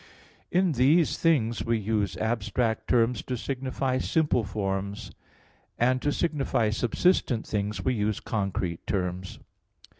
In these things we use abstract terms to signify simple forms; and to signify subsistent things we use concrete terms.